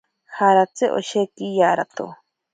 Jaratsi osheki yarato.